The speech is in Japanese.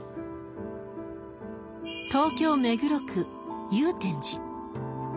東京・目黒区祐天寺。